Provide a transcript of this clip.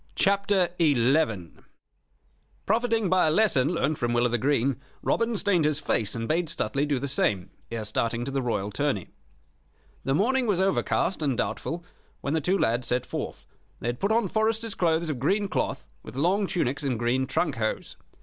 CHAPTER XI Profiting by a lesson learned from Will o' th' Green, Robin stained his face and bade Stuteley do the same ere starting to the Royal tourney. The morning was overcast and doubtful when the two lads set forth. They had put on foresters' clothes of green cloth, with long tunics and green trunk hose.